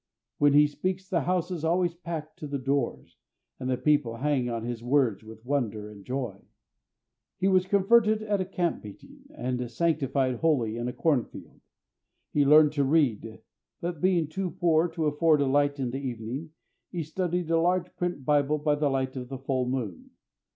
When he speaks the house is always packed to the doors, and the people hang on his words with wonder and joy. He was converted at a Camp meeting, and sanctified wholly in a cornfield. He learned to read; but, being too poor to afford a light in the evening, he studied a large print Bible by the light of the full moon.